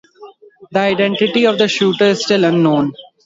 The identity of the shooter is still unknown.